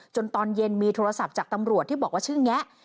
ตอนเย็นมีโทรศัพท์จากตำรวจที่บอกว่าชื่อแงะ